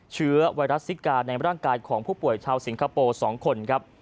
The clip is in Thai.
เชื้อไวรัสซิกาในร่างกายของผู้ป่วยชาวสิงคโปร์๒คนครับ